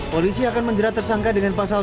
polisi akan menjerat tersangka dengan pasal